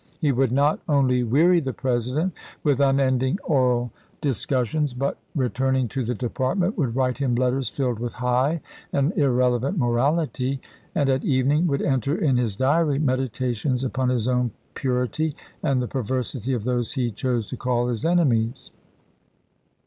He would not only weary the President with unending oral dis THE RESIGNATION OF MR. CHASE 85 cussions, but, returning to the department, would write him letters filled with high and irrelevant morality, and at evening would enter in his diary meditations upon his own purity and the perversity of those he chose to call his enemies.